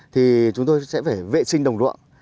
thì chúng tôi sẽ phải vệ sinh đồng luộng